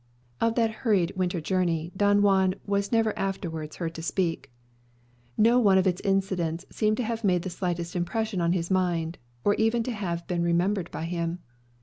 Of that hurried winter journey, Don Juan was never afterwards heard to speak. No one of its incidents seemed to have made the slightest impression on his mind, or even to have been remembered by him.